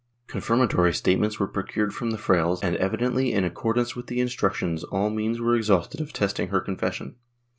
Confirmatory state ments were procured from the frailes, and evidently in accordance with the instructions, all means were exhausted of testing her confession.